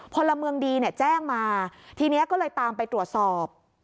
พลเมืองดีเนี่ยแจ้งมาทีนี้ก็เลยตามไปตรวจสอบ